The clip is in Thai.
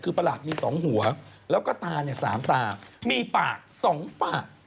คือประหลาดมีสองหัวแล้วก็ตาสามตามีหาสองฝาก